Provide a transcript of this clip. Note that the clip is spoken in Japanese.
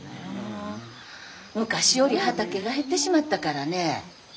昔より畑が減ってしまったからね。